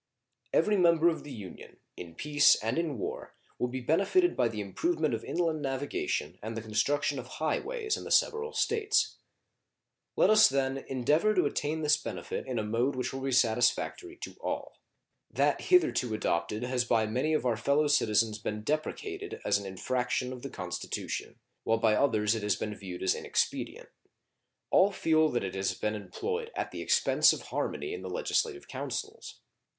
Every member of the Union, in peace and in war, will be benefited by the improvement of inland navigation and the construction of high ways in the several States. Let us, then, endeavor to attain this benefit in a mode which will be satisfactory to all. That hitherto adopted has by many of our fellow citizens been deprecated as an infraction of the Constitution, while by others it has been viewed as inexpedient. All feel that it has been employed at the expense of harmony in the legislative councils.